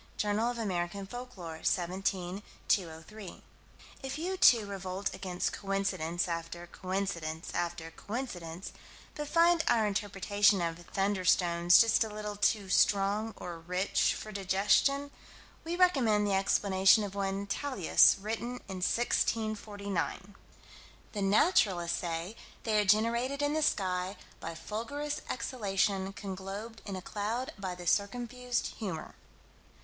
(Jour. Amer. Folk Lore, 17 203.) If you, too, revolt against coincidence after coincidence after coincidence, but find our interpretation of "thunderstones" just a little too strong or rich for digestion, we recommend the explanation of one, Tallius, written in 1649: "The naturalists say they are generated in the sky by fulgurous exhalation conglobed in a cloud by the circumfused humor."